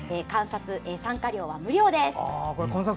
参加料は無料です。